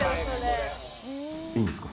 いいんですか？